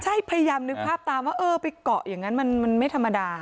ใช่พยายามนึกภาพตามว่าเออไปเกาะอย่างนั้นมันไม่ธรรมดา